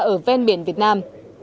ở ven biển việt nam